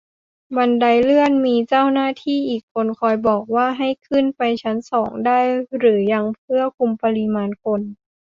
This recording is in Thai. หน้าบันไดเลื่อนมีเจ้าหน้าที่อีกคนคอยบอกว่าให้ขึ้นไปชั้นสองได้หรือยัง เพื่อคุมปริมาณคน